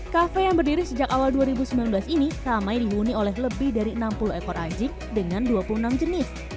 kafe yang berdiri sejak awal dua ribu sembilan belas ini ramai dihuni oleh lebih dari enam puluh ekor anjing dengan dua puluh enam jenis